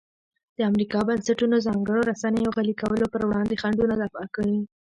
د امریکا بنسټونو ځانګړنو رسنیو غلي کولو پر وړاندې خنډونه دفع کړي.